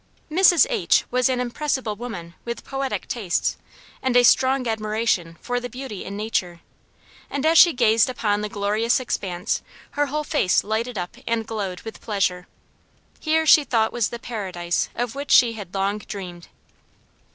Mrs. H. was an impressible woman with poetic tastes, and a strong admiration for the beautiful in nature; and as she gazed upon the glorious expanse her whole face lighted up and glowed with pleasure. Here she thought was the paradise of which she had long dreamed.